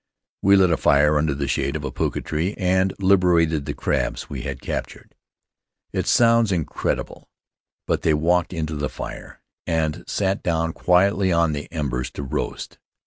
"We lit a fire under the shade of a puka tree and 162] Marooned on Mataora liberated the crabs we had captured. It sounds in credible, but they walked into the fire, and sat down quietly on the embers to roast!